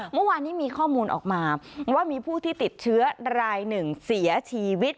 เมื่อวานนี้มีข้อมูลออกมาว่ามีผู้ที่ติดเชื้อรายหนึ่งเสียชีวิต